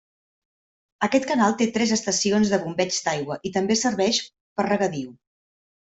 Aquest canal té tres estacions de bombeig d'aigua i també serveix per regadiu.